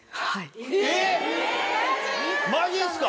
マジすか！